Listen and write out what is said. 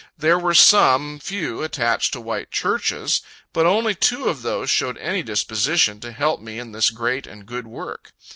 There were some few attached to the white churches; but only two of those showed any disposition to help me in this great and good work.